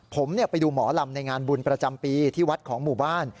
ผมไปดูหมอลำในงานบุญประจำปีที่วัดของหมู่บ้าน